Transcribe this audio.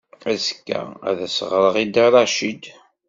Azekka ad as-ɣreɣ i Dda Racid.